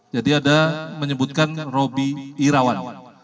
jadi ada menyebutkan robi irawan